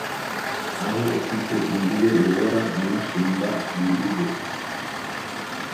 aho ufite imbibe uhora uhashinga imbibe